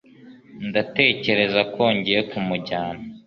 ndatekereza ko ngiye kumujyana